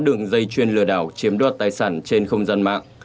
đường dây chuyên lừa đảo chiếm đoạt tài sản trên không gian mạng